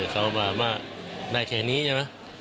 เขาบอกว่าได้แค่นี้ใช่ไหม